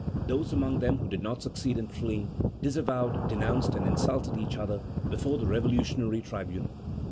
Those among them who did not succeed in fleeing, disavowed, denounced, and insulted each other before the revolutionary tribunal.